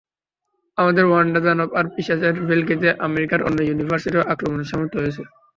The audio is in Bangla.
আমাদের ওয়ান্ডা দানব আর পিশাচের ভেলকিতে আমেরিকাকে অন্য ইউনিভার্সেও - আক্রমণের সামর্থ্য রয়েছে।